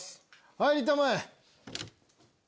・入りたまえ。